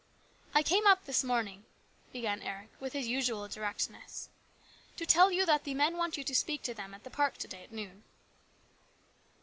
" I came up this morning," began Eric with his usual directness, " to tell you that the men want you to speak to them at the park to day at noon."